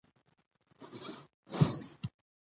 غرمه مهال لږ استراحت بدن ته ګټه رسوي